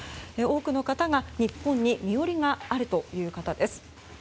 多くの方が日本に身寄りがあるという方です。